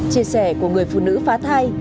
chia sẻ của người phụ nữ phá thai